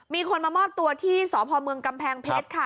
มีคนมามอบตัวที่สพเมืองกำแพงเพชรค่ะ